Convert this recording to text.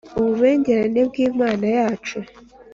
ububengerane bw’Imana yacu.